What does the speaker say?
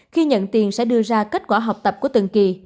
khi nhận tiền sẽ đưa ra kết quả học tập của từng kỳ